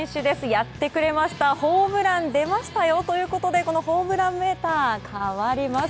やってくれましたホームラン、出ましたよ！ということでホームランメーター変わります。